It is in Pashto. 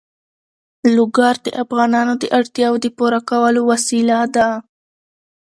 لوگر د افغانانو د اړتیاوو د پوره کولو وسیله ده.